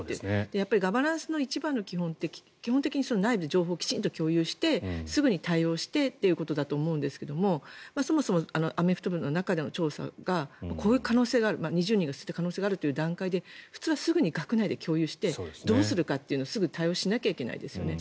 やっぱりガバナンスの一番のポイントは内部できちんと情報を共有してすぐに対応してということだと思うんですがそもそもアメフト部の中での調査が２０人が吸った可能性があるという段階で普通はすぐに学内で共有してどうするかってのをすぐに対応しなければいけないですよね。